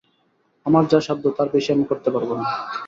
আমার যা সাধ্য তার বেশি আমি করতে পারব না।